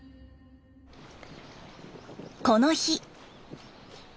この日。